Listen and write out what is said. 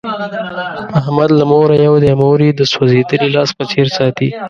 احمد له موره یو دی، مور یې د سوزېدلي لاس په څیر ساتي.